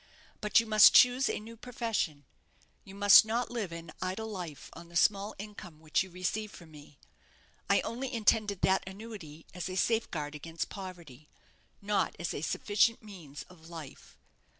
But you must choose a new profession. You must not live an idle life on the small income which you receive from me. I only intended that annuity as a safeguard against poverty, not as a sufficient means of life.